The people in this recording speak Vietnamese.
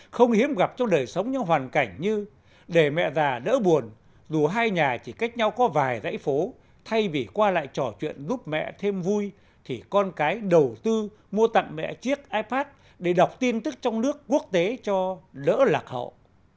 không hiếm gặp trong đời sống những hoàn cảnh như để mẹ già đỡ buồn dù hai nhà chỉ cách nhau có vài dãy phố thay vì qua lại trò chuyện giúp mẹ thêm vui thì con cái đầu tư mua tặng mẹ chiếc ipad để đọc tin tức trong nước quốc tế cho đỡ lạc hậu